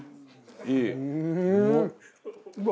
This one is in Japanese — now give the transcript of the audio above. いい！